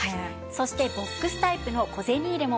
そしてボックスタイプの小銭入れもポイントです。